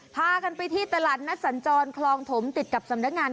พากันไปที่ตลาดนัดสัญจรคลองถมติดกับสำนักงาน